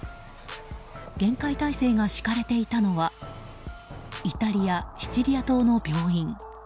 厳戒態勢が敷かれていたのはイタリア・シチリア島の病院。